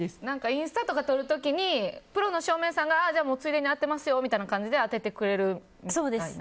インスタとか撮る時にプロの照明さんがじゃあ、もうついでに当てますよみたいな感じでそうです。